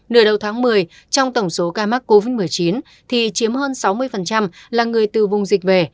nửa đầu tháng một mươi trong tổng số ca mắc covid một mươi chín thì chiếm hơn sáu mươi là người từ vùng dịch về